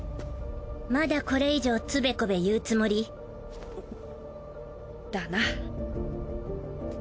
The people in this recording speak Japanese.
まだこれ以上つべこべ言うつもり？だな。